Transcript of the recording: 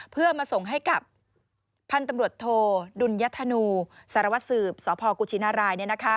เพื่อมาส่งให้กับพันธุ์ตำรวจโทดุลยธนูสารวัสสืบสพกุชินาราย